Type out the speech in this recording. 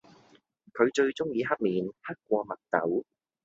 佢最鍾意黑面，黑過墨斗